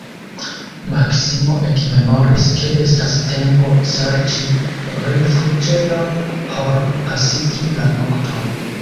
Maksimo ekmemoris, ke estas tempo serĉi rifuĝejon por pasigi la nokton.